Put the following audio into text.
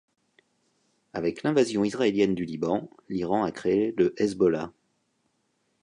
Avec l'invasion israélienne du Liban, l'Iran a créé le Hezbollah.